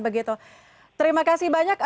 begitu terima kasih banyak